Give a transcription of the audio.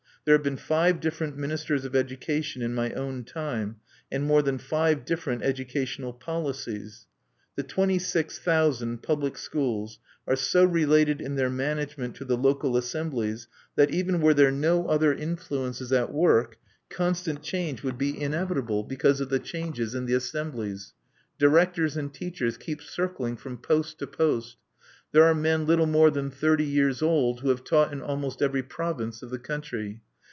There have been five different ministers of education in my own time, and more than five different educational policies. The twenty six thousand public schools are so related in their management to the local assemblies that, even were no other influences at work, constant change would be inevitable because of the changes in the assemblies. Directors and teachers keep circling from post to post; there are men little more than thirty years old who have taught in almost every province of the country.